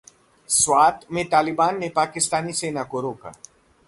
स्वात में तालिबान ने पाकिस्तानी सेना को रोका